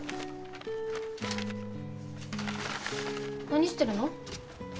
何してるの？